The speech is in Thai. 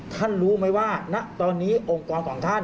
ท่านรู้ไหมว่าณตอนนี้องค์กรของท่าน